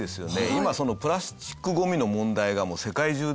今プラスチックごみの問題がもう世界中でね